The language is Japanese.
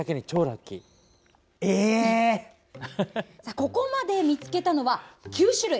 ここまで見つけたのは９種類。